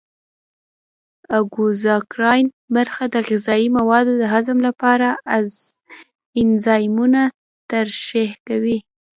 اګزوکراین برخه د غذایي موادو د هضم لپاره انزایمونه ترشح کوي.